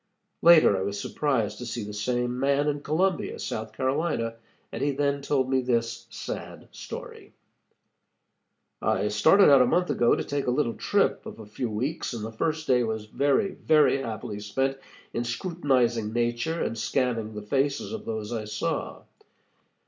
Later I was surprised to see the same man in Columbia, South Carolina, and he then told me this sad story: "I started out a month ago to take a little trip of a few weeks, and the first day was very, very happily spent in scrutinizing nature and scanning the faces of those I saw.